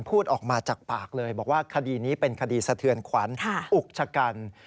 พูดออกมาจากปากเลยบอกว่าคดีนี้เป็นคดีสะเทือนขวัญอุกชะกัน